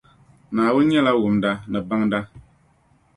Naawuni nyɛla wumda ni baŋda.